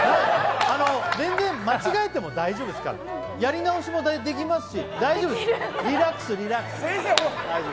全然間違えても大丈夫ですから、やり直しもできますからリラックス、リラックス、大丈夫。